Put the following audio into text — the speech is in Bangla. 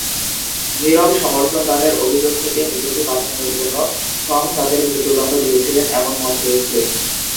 নীরব সমর্থন দানের অভিযোগ থেকে নিজেকে বাঁচানোর জন্য ফ্রম তাদের মৃত্যুদন্ড দিয়েছিলেন এমন মত রয়েছে।